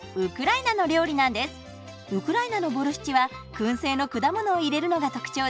ウクライナのボルシチはくん製の果物を入れるのが特徴です。